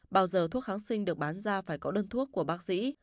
bao giờ thuốc kháng sinh được bán ra phải có đơn thuốc của bác sĩ